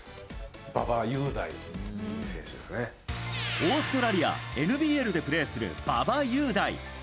オーストラリアＮＢＬでプレーする馬場雄大。